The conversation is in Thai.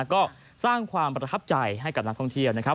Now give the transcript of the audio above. ก็สร้างความประทับใจให้กับนักท่องเที่ยวนะครับ